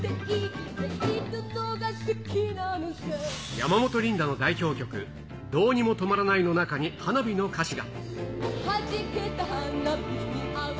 山本リンダの代表曲、どうにもとまらないの中に花火の歌詞が。